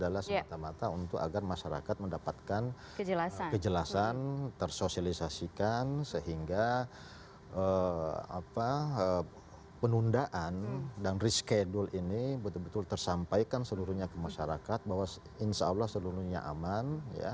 adalah semata mata untuk agar masyarakat mendapatkan kejelasan tersosialisasikan sehingga penundaan dan reschedule ini betul betul tersampaikan seluruhnya ke masyarakat bahwa insya allah seluruhnya aman